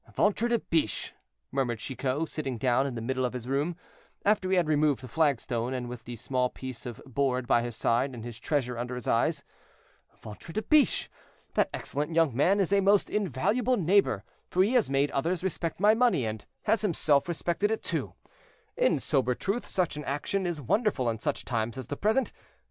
"Ventre de biche!" murmured Chicot, sitting down in the middle of his room, after he had removed the flagstone, and with the small piece of board by his side, and his treasure under his eyes, "ventre de biche! that excellent young man is a most invaluable neighbor, for he has made others respect my money, and has himself respected it too; in sober truth, such an action is wonderful in such times as the present.